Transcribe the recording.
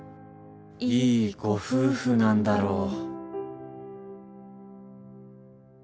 いいご夫婦なんだろう。